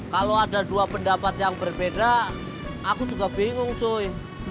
kalau ada dua pendapat yang berbeda aku juga bingung joy